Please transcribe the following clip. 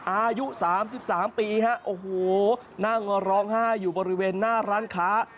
อายุสามสิบสามปีฮะโอ้โหนางร้องห้าอยู่บริเวณหน้าร้านค้า